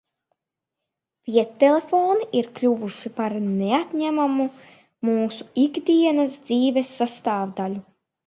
Viedtelefoni ir kļuvuši par neatņemamu mūsu ikdienas dzīves sastāvdaļu.